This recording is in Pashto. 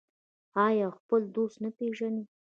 آیا او خپل دوست نه پیژني؟